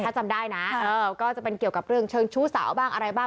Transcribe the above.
ถ้าจำได้นะก็จะเป็นเกี่ยวกับเรื่องเชิงชู้สาวบ้างอะไรบ้าง